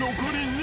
２。